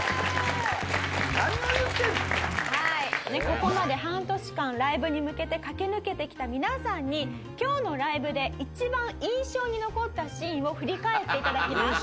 ここまで半年間ライブに向けて駆け抜けてきた皆さんに今日のライブで一番印象に残ったシーンを振り返って頂きます。